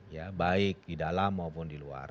ya baik di dalam maupun di luar